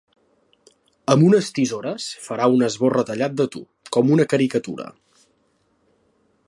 Amb unes tisores, farà un esbós retallat de tu, com una caricatura.